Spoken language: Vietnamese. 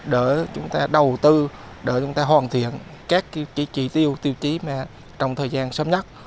để chúng ta đầu tư để chúng ta hoàn thiện các chỉ tiêu tiêu chí mà trong thời gian sớm nhất